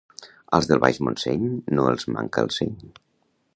Als del Baix Montseny no els manca el seny